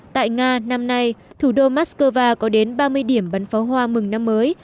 tại nga năm nay thủ đô moscow có đến ba mươi điểm bắn pháo hoa mừng năm mới